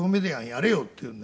やれよ」って言うんでね。